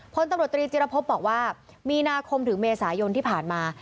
พลตำรวจตรีจิรพบบอกว่ามีนาคมถึงเมษายนที่ผ่านมา